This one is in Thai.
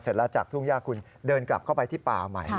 จากทุ่งย่าคุณเดินกลับเข้าไปที่ป่าใหม่